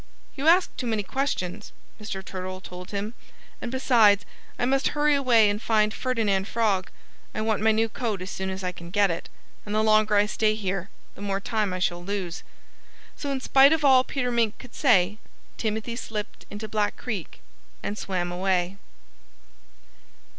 "You ask too many questions," Mr. Turtle told him. "And besides, I must hurry away and find Ferdinand Frog. I want my new coat as soon as I can get it. And the longer I stay here, the more time I shall lose." So in spite of all Peter Mink could say, Timothy slipped into Black Creek and swam away.